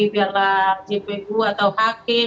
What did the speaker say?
biarlah gpu atau hakim